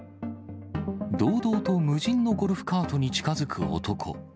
堂々と無人のゴルフカートに近づく男。